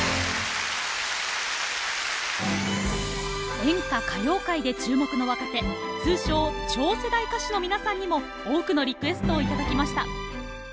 演歌・歌謡界で注目の若手通称「超世代歌手」の皆さんにも多くのリクエストを頂きました。